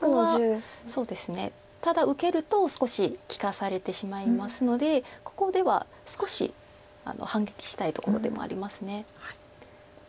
ここはただ受けると少し利かされてしまいますのでここでは少し反撃したいところでもあります。